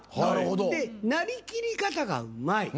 でなりきり方がうまい。